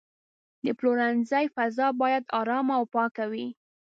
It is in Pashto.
د پلورنځي فضا باید آرامه او پاکه وي.